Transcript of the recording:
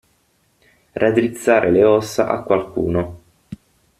Raddrizzare le ossa a qualcuno.